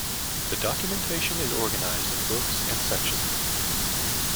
The documentation is organized in books and sections.